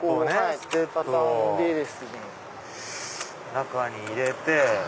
中に入れて。